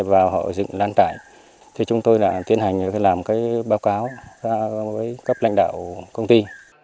và họ dựng lán trại thì chúng tôi tiến hành làm báo cáo với các lãnh đạo công ty